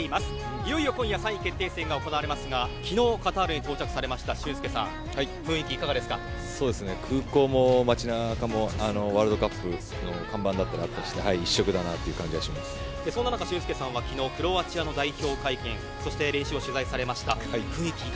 いよいよ今夜３位決定戦が行われますが昨日カタールに到着された俊輔さん空港も街中もワールドカップの看板だったりあったりしてそんな中、俊輔さんは昨日クロアチアの代表会見練習を取材されました。